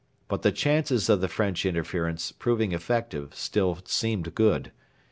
But the chances of the French interference proving effective still seemed good.